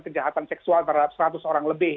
kejahatan seksual terhadap seratus orang lebih